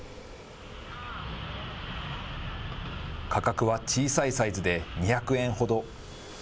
価格は小さいサイズで２００円ほど。